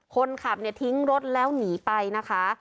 คนขับเนี่ยทิ้งรถแล้วหนีไปนะคะ